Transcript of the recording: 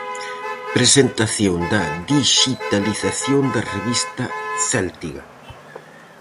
Presentación da dixitalización da Revista "Céltiga".